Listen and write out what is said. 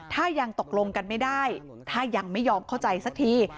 ถ้ายังตกลงกันไม่ได้ถ้ายังไม่ยอมเข้าใจสักที